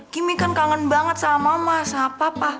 kimi kan kangen banget sama mas sama papa